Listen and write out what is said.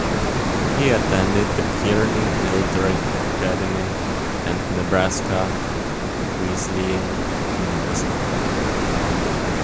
He attended the Kearney Military Academy and Nebraska Wesleyan University.